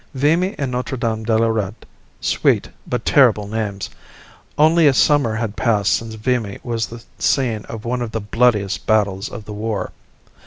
Vimy and Notre Dame de Lorette sweet but terrible names! Only a summer had passed since Vimy was the scene of one of the bloodiest battles of the war.